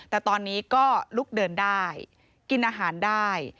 แต่ตอนนี้ก็ลุกเดินได้กินอาหารได้